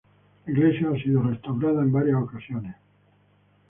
La Iglesia ha sido restaurada en varias ocasiones.